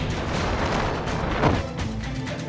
tidak ada disini